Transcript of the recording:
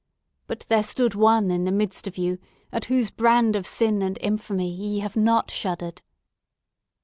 But there stood one in the midst of you, at whose brand of sin and infamy ye have not shuddered!"